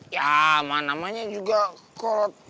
ya sama namanya juga kot